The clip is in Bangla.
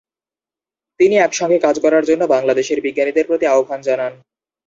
তিনি একসঙ্গে কাজ করার জন্য বাংলাদেশের বিজ্ঞানীদের প্রতি আহ্বান জানান।